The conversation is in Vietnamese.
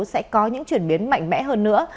sẽ có những chuyển biến mạnh mẽ hơn nữa